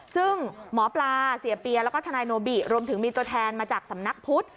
ซึ่งหมอปลาเสียเปียแล้วก็ทนายโนบิรวมถึงมีตัวแทนมาจากสำนักพุทธ